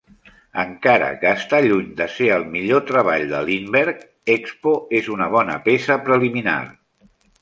Encara que està lluny de ser el millor treball de Lindberg, "Expo" és una bona peça preliminar